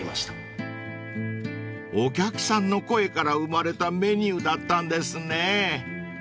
［お客さんの声から生まれたメニューだったんですね］